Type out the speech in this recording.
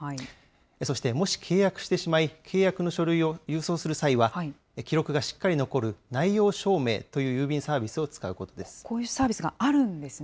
そしてもし契約してしまい、契約の書類を郵送する際は、記録がしっかり残る内容証明という郵便サこういうサービスがあるんですね。